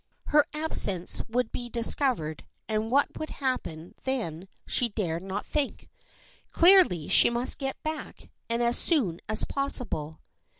Her absence would be discovered and what would happen then she dared not think. Certainly she must get back and as soon as possible.